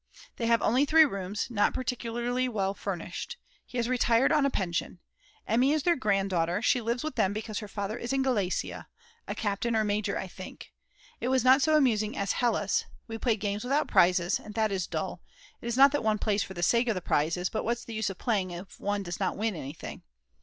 They have only 3 rooms not particularly well furnished. He has retired on a pension, Emmy is their granddaughter, she lives with them because her father is in Galicia, a captain or major I think. It was not so amusing as at Hella's. We played games without prizes, and that is dull; it is not that one plays for the sake of the prizes, but what's the use of playing if one does not win anything?